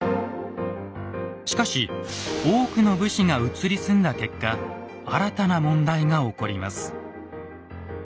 しかし多くの武士が移り住んだ結果新たな問題が起こります。